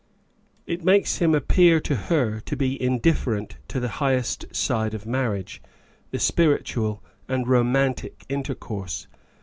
It makes him appear to her to be indifferent to the highest side of marriage — the spiritual and romantic intercourse.